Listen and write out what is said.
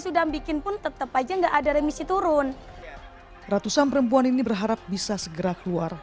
sudah bikin pun tetap aja enggak ada remisi turun ratusan perempuan ini berharap bisa segera keluar